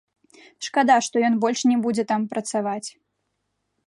Шкада, што ён больш не будзе там працаваць.